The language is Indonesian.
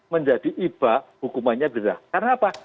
menjadi iba hukumannya berdasarkan apa